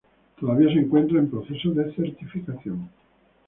Todavía se encuentra en proceso de certificación.